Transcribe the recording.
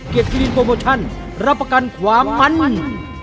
กิลินโปรโมชั่นรับประกันความมัน